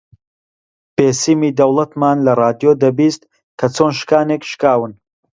بێسیمی دەوڵەتمان لە ڕادیۆ دەبیست کە چۆن شکانێک شکاون